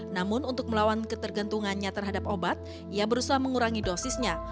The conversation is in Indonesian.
namun untuk melawan ketergantungannya terhadap obat ia berusaha mengurangi dosisnya